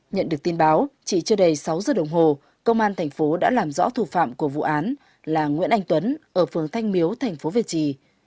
nhận được tin báo chỉ chưa đầy sáu giờ đồng hồ công an thành phố đã làm rõ thủ phạm của vụ án là nguyễn anh tuấn ở phường thanh miếu thành phố việt trì